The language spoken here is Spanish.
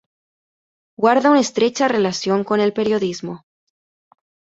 Guarda una estrecha relación con el periodismo.